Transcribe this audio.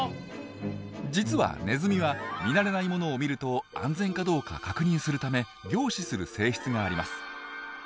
実はネズミは見慣れないものを見ると安全かどうか確認するため凝視する性質があります。